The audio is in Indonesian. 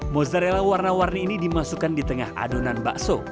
mozzarella warna warni ini dimasukkan di tengah adonan bakso